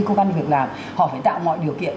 cố gắng việc làm họ phải tạo mọi điều kiện